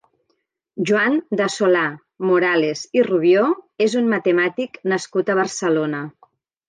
Joan de Solà-Morales i Rubió és un matemàtic nascut a Barcelona.